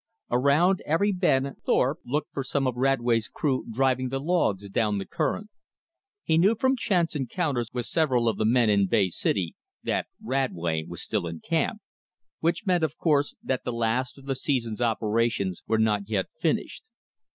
Around every bend Thorpe looked for some of Radway's crew "driving" the logs down the current. He knew from chance encounters with several of the men in Bay City that Radway was still in camp; which meant, of course, that the last of the season's operations were not yet finished.